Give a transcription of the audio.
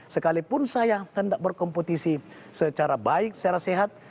sekalipun saya hendak berkompetisi secara baik secara sehat